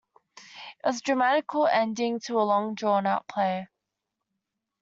It was a dramatical ending to a long drawn out play.